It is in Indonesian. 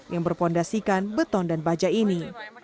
yang berpondasikan beton dan baja ini